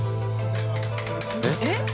えっ？